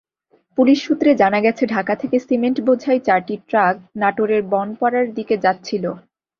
Police সূত্রে জানা গেছে, ঢাকা থেকে সিমেন্টবোঝাই চারটি ট্রাক নাটোরের বনপাড়ার দিকে যাচ্ছিল।